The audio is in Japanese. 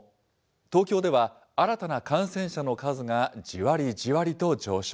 東京では、新たな感染者の数がじわりじわりと上昇。